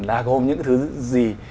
là gồm những thứ gì